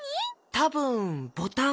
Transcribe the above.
たぶんボタン。